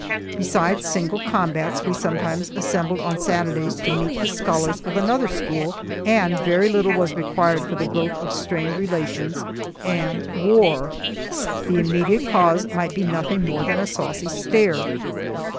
Besides single combats we sometimes assembled on Saturdays to meet the scholars of another school, and very little was required for the growth of strained relations, and war. The immediate cause might be nothing more than a saucy stare.